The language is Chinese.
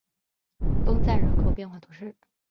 翁赞人口变化图示